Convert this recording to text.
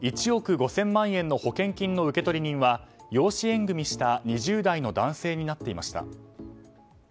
１億５０００万円の保険金の受取人は養子縁組した２０代の男性となっていました。